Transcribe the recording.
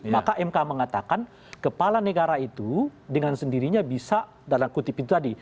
maka mk mengatakan kepala negara itu dengan sendirinya bisa dalam kutip itu tadi